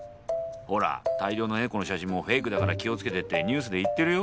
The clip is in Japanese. ほら大量のネコの写真もフェイクだから気を付けてってニュースで言ってるよ。